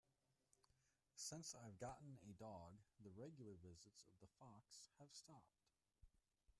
Since I've gotten a dog, the regular visits of the fox have stopped.